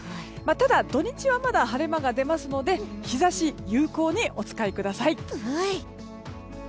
ただ、土日はまだ晴れ間が出ますので日差し、有効にお使いください。